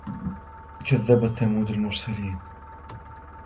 كَذَّبَتْ ثَمُودُ الْمُرْسَلِينَ